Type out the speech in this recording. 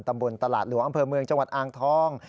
ตำบลตลาดหลวงอำเภอเมืองจังหวัดอ่างทอง